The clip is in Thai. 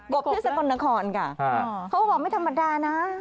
กบที่สะกนครก่ะเขาบอกว่าไม่ธรรมดานะ